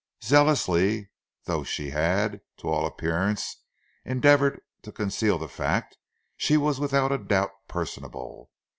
Zealously though she had, to all appearance, endeavoured to conceal the fact, she was without a doubt personable.